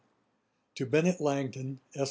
'TO BENNET LANGTON, ESQ.